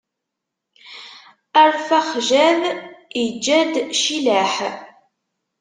Arfaxcad iǧǧa-d Cilaḥ.